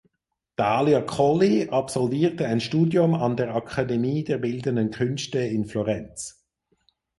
Dalia Colli absolvierte ein Studium an der Akademie der bildenden Künste in Florenz.